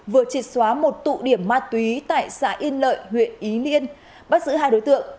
vừa triệt xóa một tụ điểm ma túy tại xã yên lợi huyện ý liên bắt giữ hai đối tượng